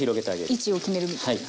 位置を決めるみたいな。